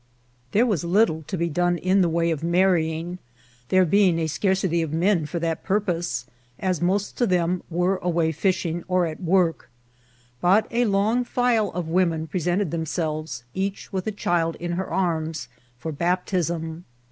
There was little to be done in the way of marryingy there being a scarcity of men for that purpose, as most of them were away fishing or at work ; but a long file of women presented themselves, each with a child in her arms, for baptism.